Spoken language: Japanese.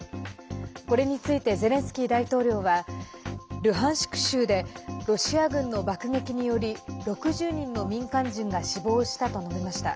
これについてゼレンスキー大統領はルハンシク州でロシア軍の爆撃により６０人の民間人が死亡したと述べました。